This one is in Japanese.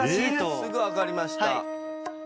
すぐ分かりました。